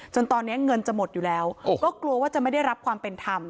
จนตอนนี้เงินจะหมดอยู่แล้วก็กลัวว่าจะไม่ได้รับความเป็นธรรม